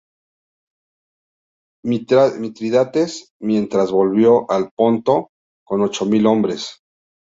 Mitrídates, mientras, volvió al Ponto con ocho mil hombres.